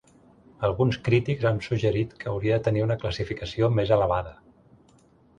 Alguns crítics han suggerit que hauria de tenir una classificació més elevada.